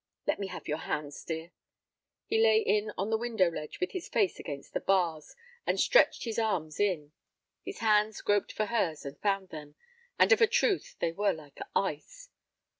"Let me have your hands, dear." He lay in on the window ledge with his face against the bars, and stretched his arms in. His hands groped for hers and found them, and of a truth they were like ice.